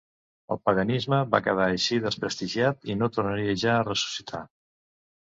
El paganisme va quedar així desprestigiat i no tornaria ja a ressuscitar.